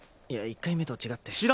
いや１回目と違って。